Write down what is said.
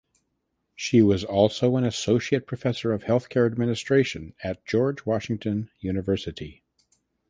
She was also an associate professor of healthcare administration at George Washington University.